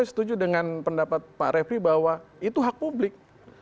saya setuju dengan pendapat pak refli bahwa itu hak publik